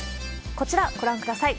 こちらご覧ください。